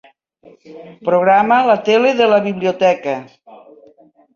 Programa la tele de la biblioteca.